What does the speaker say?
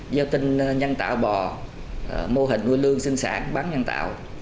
giao tinh nhân tạo bò mô hình nuôi lương sinh sản bán nhân tạo